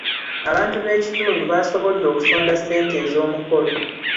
Abantu b'ekitundu baasobodde okusonda ssente ez'omukolo.